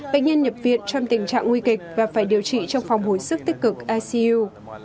bệnh nhân nhập viện trong tình trạng nguy kịch và phải điều trị trong phòng hồi sức tích cực icu